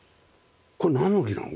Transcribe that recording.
これなんの木なの？